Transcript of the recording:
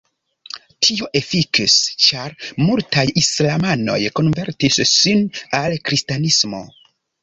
Tio "efikis" ĉar multaj islamanoj konvertis sin al kristanismo.